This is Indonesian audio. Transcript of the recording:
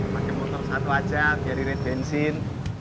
pakai motor satu aja biar irit bensin